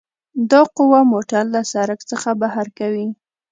دا قوه موټر له سرک څخه بهر کوي